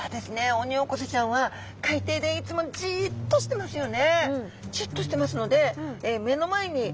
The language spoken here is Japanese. オニオコゼちゃんは海底でいつもじっとしてますよね。